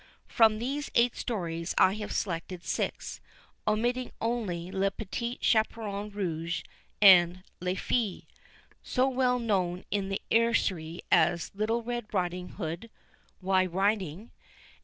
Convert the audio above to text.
From these eight stories I have selected six, omitting only Le Petit Chaperon Rouge, and Les Fées, so well known in the nursery as Little Red Riding Hood (why "Riding?")